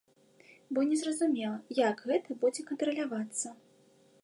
Бо незразумела, як гэта будзе кантралявацца.